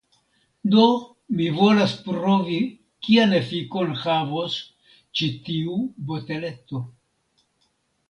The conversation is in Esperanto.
Do mi volas provi kian efikon havos ĉi tiu boteleto.